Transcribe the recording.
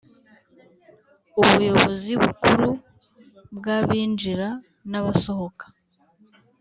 ubuyobozi bukuru bw’abinjira n’abasohoka